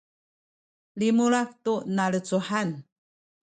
limulak tu nalecuhan